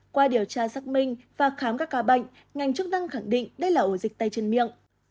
qua điều tra xác minh và khám các ca bệnh ngành chức năng khẳng định đây là ổ dịch tay chân miệng